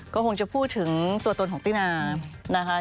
ก็คงจะพูดถึงตัวตนของตินานะคะ